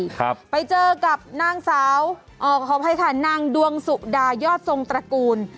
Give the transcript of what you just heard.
ครับไปเจอกับนางสาวเอ่อขออภัยค่ะนางดวงสุดายอดทรงตระกูล